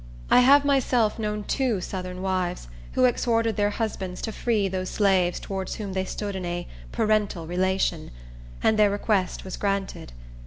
I have myself known two southern wives who exhorted their husbands to free those slaves towards whom they stood in a "parental relation;" and their request was granted.